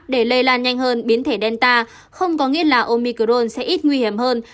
để lây lan nhanh hơn biến thể delta không có nghĩa là omicron sẽ ít nguy hiểm hơn